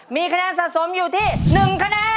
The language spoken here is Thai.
มีคะแนนสะสมอยู่ที่๑คะแนน